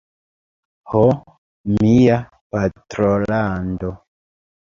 Ho, mia patrolando!